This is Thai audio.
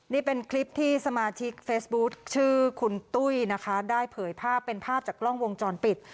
นี่เป็นคลิปที่สมาชิกเฟซบุ๊คชื่อคุณตุ้ยนะคะได้เผยภาพเป็นภาพจากกล้องวงจรปิด